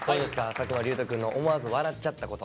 作間龍斗くんの「思わず笑っちゃったこと」。